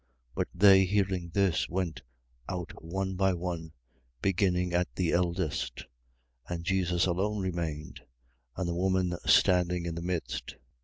But they hearing this, went out one by one, beginning at the eldest. And Jesus alone remained, and the woman standing in the midst. 8:10.